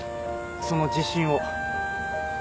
その自信を。